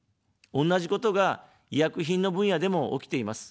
同じことが、医薬品の分野でも起きています。